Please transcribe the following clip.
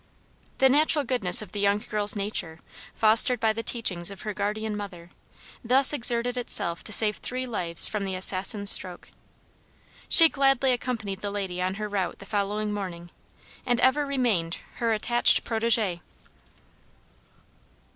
The natural goodness of the young girl's nature, fostered by the teachings of her guardian mother, thus exerted itself to save three lives from the assassin's stroke. She gladly accompanied the lady on her route the following morning, and ever remained her attached protegé.